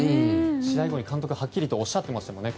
試合後に監督がはっきりとおっしゃっていましたね。